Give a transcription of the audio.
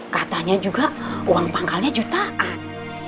katanya juga uang pangkalnya jutaan